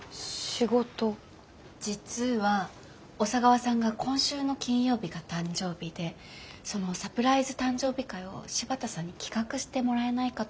実は小佐川さんが今週の金曜日が誕生日でそのサプライズ誕生日会を柴田さんに企画してもらえないかと思って。